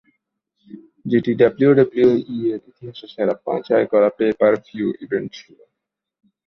যেটি ডাব্লিউডাব্লিউই এর ইতিহাসে সেরা পাঁচ আয় করা পে-পার-ভিউ ইভেন্ট ছিল।